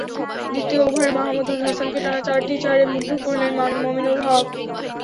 দ্বিতীয় ওভারে মাহমুদুল হাসানকে টানা চারটি চারে মুগ্ধ করলেন মুমিনুল হক।